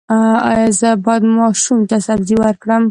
ایا زه باید ماشوم ته سبزي ورکړم؟